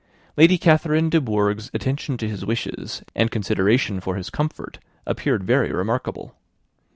Lady Catherine de Bourgh's attention to his wishes, and consideration for his comfort, appeared very remarkable.